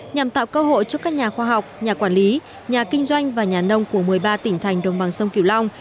nhằm tạo cơ hội cho các nhà khoa học nhà quản lý nhà kinh doanh và nhà nông của một mươi ba tỉnh thành đồng bằng sông kiều long